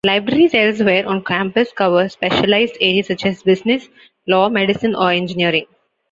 Libraries elsewhere on campus cover specialized areas such as Business, Law, Medicine, or Engineering.